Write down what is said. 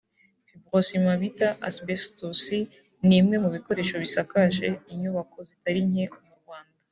Fibrocement bita asibesitosi ni imwe mu bikoresho bisakaje inyubako zitari nke mu Rwanda